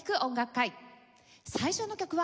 最初の曲は。